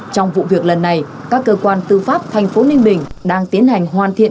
trong vụ việc lần này các cơ quan tư pháp thành phố ninh bình đang tiến hành hoàn thiện